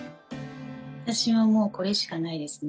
私はもうこれしかないですね。